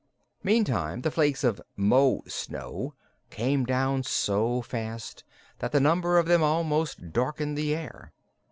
Meantime the flakes of "Mo snow" came down so fast that the number of them almost darkened the air.